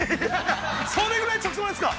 それぐらい直送ですか。